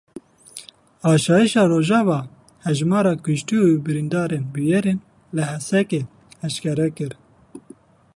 Asayişa Rojava hejmara kuştî û birîndarên bûyerên li Hesekê eşkere kir.